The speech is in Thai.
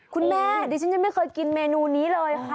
คุณแม่ดิฉันยังไม่เคยกินเมนูนี้เลยค่ะ